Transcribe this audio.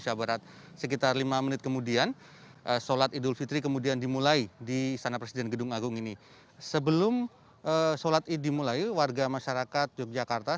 sebelum solat idul fitri dimulai warga masyarakat yogyakarta